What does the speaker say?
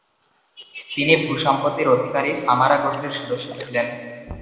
তিনি ভূসম্পত্তির অধিকারী সামারা গোত্রের সদস্য ছিলেন।